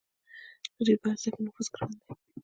د دوی په هسته کې نفوذ ګران دی.